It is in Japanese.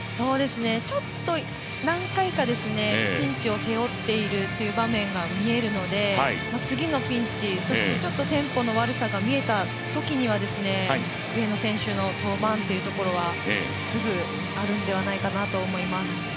ちょっと何回かピンチを背負っているという場面が見えるので見えるので、次のピンチそしてちょっとテンポの悪さが見えたときには上野選手の登板っていうところはすぐにあるのではないかなと思います。